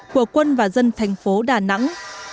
của quân và dân thành phố đà nẵng